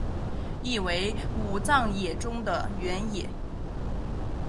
意为武藏野中的原野。